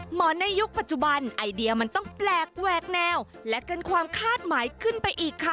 ในยุคปัจจุบันไอเดียมันต้องแปลกแหวกแนวและเกินความคาดหมายขึ้นไปอีกค่ะ